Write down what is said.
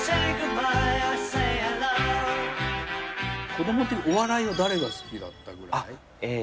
子供のときお笑いは誰が好きだったぐらい？